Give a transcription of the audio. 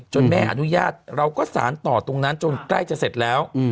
แม่อนุญาตเราก็สารต่อตรงนั้นจนใกล้จะเสร็จแล้ว